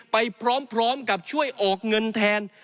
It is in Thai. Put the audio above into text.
ไปพร้อมกับช่วยออกเงินแทน